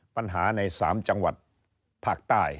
ปัญหาใน๓จังหวัดภาคใต้